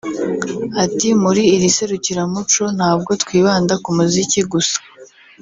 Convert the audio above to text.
Ati ‘Muri iri serukiramuco ntabwo twibanda ku muziki gusa